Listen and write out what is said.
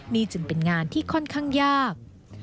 นี่จึงเป็นงานที่ค่อนข้างยาก